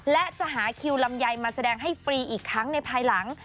และจะหาคิวลำไยมาแสดงให้ฟรีอีกครั้งในภายหลัง